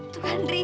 tuh kan ria